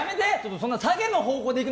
そんな下げの方向でいくの！